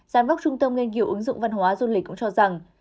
giám đốc trung tâm nghiên cứu ứng dụng văn hóa du lịch cũng cho rằng